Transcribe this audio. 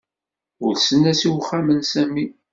Ulsen-as i uxxam n Sami.